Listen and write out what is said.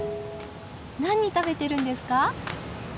何食べてるんですか？